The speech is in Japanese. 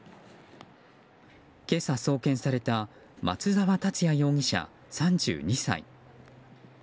今朝、送検された松沢達也容疑者、３２歳。